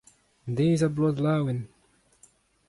Deiz-ha-bloaz laouen !